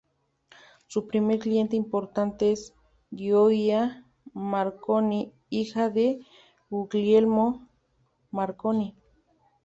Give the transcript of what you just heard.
Su primer cliente importante es Gioia Marconi, hija de Guglielmo Marconi.